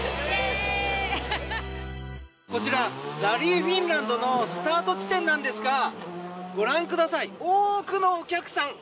ラリー・フィンランドのスタート地点なんですがご覧ください、多くのお客さん。